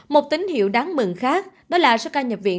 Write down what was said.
một tín hiệu đáng mừng khác đó là số ca nhập viện